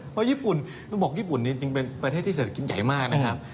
เพราะญี่ปุ่นเขาบอกเมื่อกี้ที่เป็นประเทศที่เศษอาทิตย์ใหญ่มากนะครับ